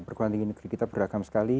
perguruan tinggi negeri kita beragam sekali